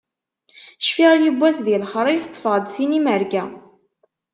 Cfiɣ yiwwas di lexrif, ṭṭfeɣ-d sin imerga.